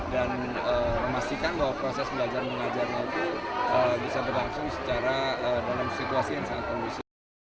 dan memastikan bahwa proses belajar belajar itu bisa berlangsung secara dalam situasi yang sangat kondisi